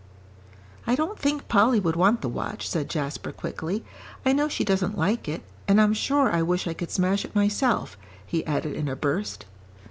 "I don't think Polly would want the watch," said Jasper, quickly. "I know she doesn't like it, and I'm sure I wish I could smash it myself," he added in a burst.